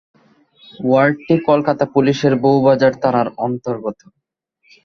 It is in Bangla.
ওয়ার্ডটি কলকাতা পুলিশের বউবাজার থানার অন্তর্গত।